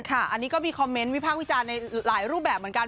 อันนี้ก็มีคอมเมนต์วิพากษ์วิจารณ์ในหลายรูปแบบเหมือนกัน